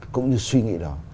cũng như suy nghĩ đó